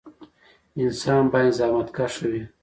انسان باید زخمتکشه وي